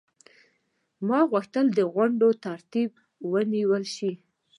ما غوښتل غونډو ترتیب ونیول شي.